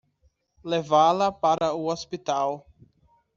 Levá-la para o hospital.